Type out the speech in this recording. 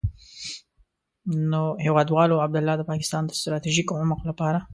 نو هېوادوالو، عبدالله د پاکستان د ستراتيژيک عمق لپاره.